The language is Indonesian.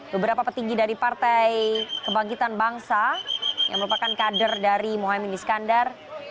beberapa petinggi dari partai kebangkitan bangsa yang merupakan kader dari muhammad iskandar